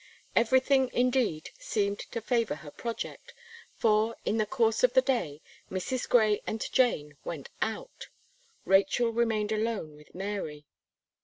Everything, indeed, seemed to favour her project; for, in the course of the day, Mrs. Gray and Jane went out. Rachel remained alone with Mary.